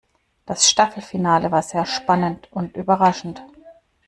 Das Staffelfinale war sehr spannend und überraschend.